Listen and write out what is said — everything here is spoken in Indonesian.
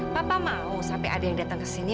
papa mau sampai ada yang datang kesini